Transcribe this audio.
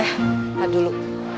eh pak dulu